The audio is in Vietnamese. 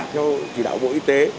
theo chỉ đạo bộ y tế